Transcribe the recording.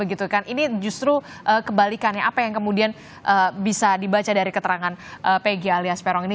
ini justru kebalikannya apa yang kemudian bisa dibaca dari keterangan pg alias peron ini